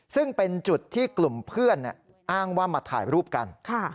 ซึ่งเป็นจุดที่กลุ่มเพื่อนอ้างว่ามาถ่ายรูปกัน